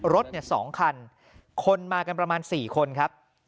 รถ๒คันคนมากันประมาณ๔คนครับ